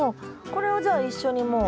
これをじゃあ一緒にもう。